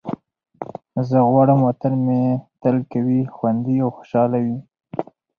زه غواړم وطن مې تل قوي، خوندي او خوشحال وي.